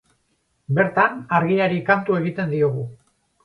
Bertan, argiari kantu egiten diogu.